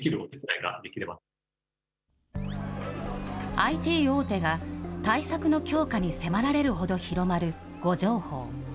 ＩＴ大手が、対策の強化に迫られるほど広まる誤情報。